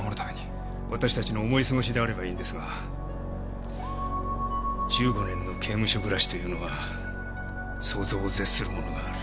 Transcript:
わたしたちの思い過ごしであればいいんですが１５年の刑務所暮らしというのは想像を絶するものがある。